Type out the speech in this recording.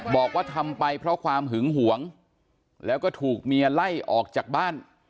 บอกว่าทำไปเพราะความหึงหวงแล้วก็ถูกเมียไล่ออกจากบ้าน